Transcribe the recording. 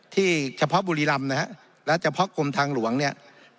เฉพาะบุรีรำนะฮะและเฉพาะกรมทางหลวงเนี่ย